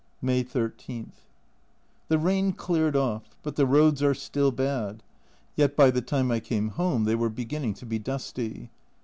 May 13. The rain cleared off, but the roads are still bad, yet by the time I came home they were beginning to be dusty.